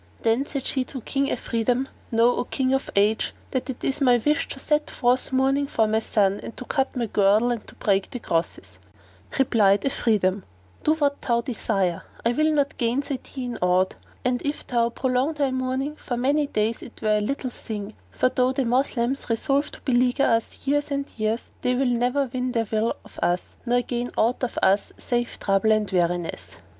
Then said she to King Afridun, "Know, O King of the Age, that it is my wish to set forth mourning for my son and to cut my Girdle and to break the Crosses." Replied Afridun, "Do what thou desire; I will not gainsay thee in aught. And if thou prolong thy mourning for many days it were a little thing; for though the Moslems resolve to beleaguer us years and years, they will never win their will of us nor gain aught of us save trouble and weariness."